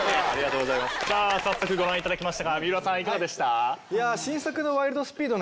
さあ早速ご覧いただきましたが三浦さんいかがでした？